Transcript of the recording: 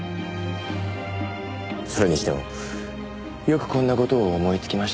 それにしてもよくこんな事を思いつきましたね。